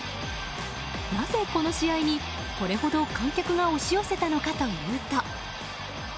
なぜ、この試合にこれほど観客が押し寄せたのかというと。